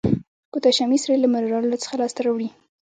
پوتاشیمي سرې له منرالونو څخه لاس ته راوړي.